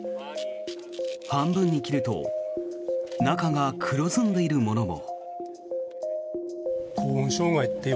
半分に切ると中が黒ずんでいるものも。